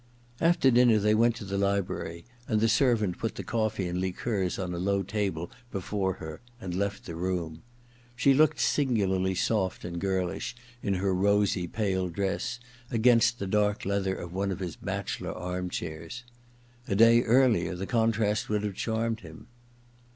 After dinner they went to the library, and the servant put the coffee and liqueurs on a low table before her and left the room. She looked singularly soft and girlish, in her rosy pale dress, against the dark leather of one of his bachelor armchairs. A day earlier the contrast would have charmed him.